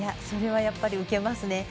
それはやっぱり受けますね。